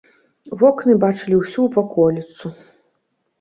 Вокны бачылі ўсю ваколіцу.